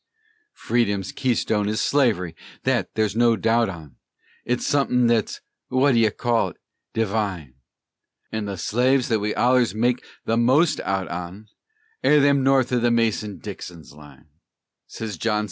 "Freedom's keystone is Slavery, thet ther's no doubt on, It's sutthin' thet's wha' d'ye call it? divine, An' the slaves thet we ollers make the most out on Air them north o' Mason an' Dixon's line," Sez John C.